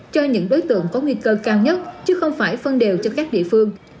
cho những đối tượng có nguy cơ cao nhất chứ không phải phân đều cho các địa phương